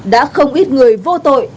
đã không ít người vô tội